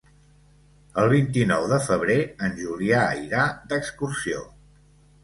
El vint-i-nou de febrer en Julià irà d'excursió.